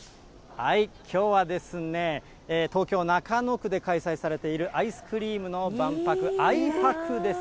きょうは東京・中野区で開催されている、アイスクリームの万博、あいぱくです。